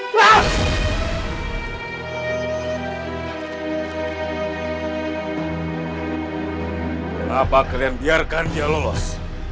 kenapa kalian biarkan dia lolos